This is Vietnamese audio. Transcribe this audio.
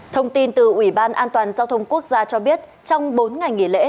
thông tin từ ủy ban an toàn giao thông quốc gia cho biết trong bốn ngày nghỉ lễ